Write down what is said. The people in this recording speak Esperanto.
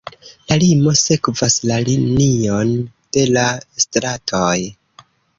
La limo sekvas la linion de la stratoj.